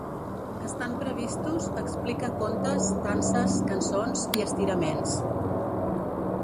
Estan previstos explica contes, danses, cançons i estiraments.